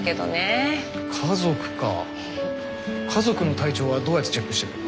家族か家族の体調はどうやってチェックしてるの？